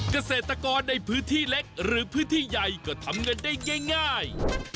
เกษตรกรในพื้นที่เล็กหรือพื้นที่ใหญ่ก็ทำเงินได้ง่าย